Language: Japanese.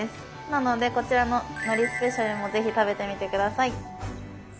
なのでこちらの「のりスペシャル」も是非食べてみて下さい。